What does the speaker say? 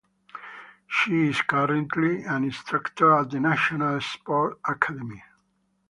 She is currently an instructor at the National Sports Academy.